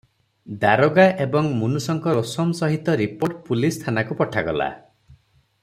ଦାରୋଗା ଏବଂ ମୁନ୍ସଙ୍କ ରୋସମ୍ ସହିତ ରିପୋର୍ଟ ପୁଲସ୍ ଥାନାକୁ ପଠାଗଲା ।